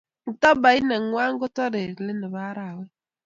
mkatabait nenguai kotarei let nepo arawet